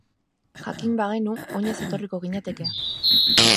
Jakin bagenu oinez etorriko ginateke.